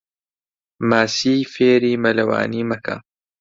ماسی فێری مەلەوانی مەکە.